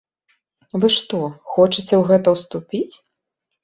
Вы што, хочаце ў гэта ўступіць?